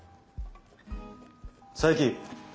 佐伯。